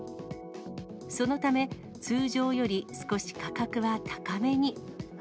そのため、通常より少し価格は高めに。